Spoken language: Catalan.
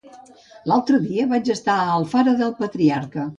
L'altre dia vaig estar a Alfara del Patriarca.